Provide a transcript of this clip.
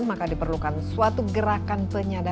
maka diperlukan suatu gerakan penyadapan